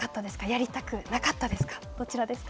やりたくなかったですか。